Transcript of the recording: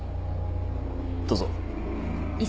どうぞ。